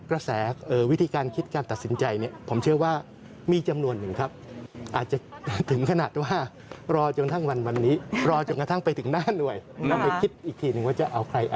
แล้วไม่คิดอีกทีหนึ่งว่าจะเอาใครอะไรอีกไร